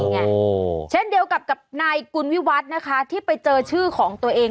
เช่นเดียวกับกับนายกุลวิวัฒน์นะคะที่ไปเจอชื่อของตัวเอง